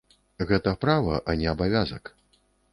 Гэта права, а не абавязак.